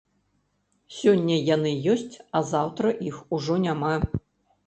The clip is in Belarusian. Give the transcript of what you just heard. Сёння яны ёсць, а заўтра іх ужо няма.